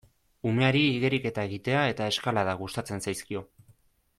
Umeari igeriketa egitea eta eskalada gustatzen zaizkio.